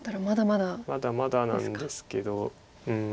まだまだなんですけどうん